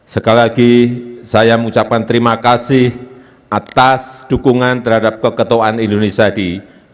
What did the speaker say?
sekali lagi saya mengucapkan terima kasih atas dukungan terhadap keketuaan indonesia di dua ribu dua puluh